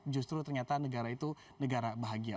justru ternyata negara itu negara bahagia